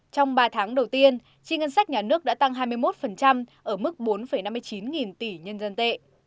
trong ba tháng đầu tiên chi ngân sách nhà nước đã tăng hai mươi một ở mức bốn năm mươi chín nghìn tỷ nhân dân tệ